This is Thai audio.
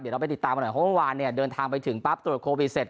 เดี๋ยวเราไปติดตามกันหน่อยเพราะเมื่อวานเนี่ยเดินทางไปถึงปั๊บตรวจโควิดเสร็จ